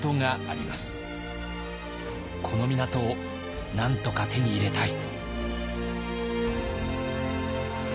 この港をなんとか手に入れたい。